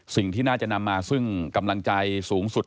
สิ่งที่น่าจะนำมาซึ่งกำลังใจสูงสุด